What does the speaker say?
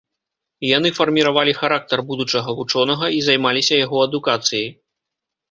Яны фарміравалі характар будучага вучонага і займаліся яго адукацыяй.